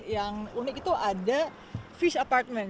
yang unik itu ada fish apartment